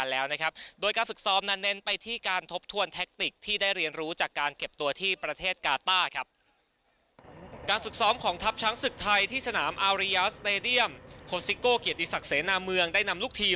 แล้วติดตามกันแล้วนะครับกับการแข่งขัน